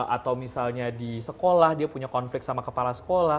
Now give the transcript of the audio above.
atau misalnya di sekolah dia punya konflik sama kepala sekolah